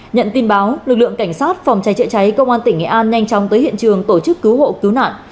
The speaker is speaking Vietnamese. nhận tin báo lực lượng cảnh sát phòng cháy chữa cháy công an tỉnh nghệ an nhanh chóng tới hiện trường tổ chức cứu hộ cứu nạn